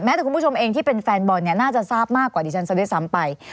แต่คุณผู้ชมเองที่เป็นแฟนบอลเนี่ยน่าจะทราบมากกว่าดิฉันซะด้วยซ้ำไป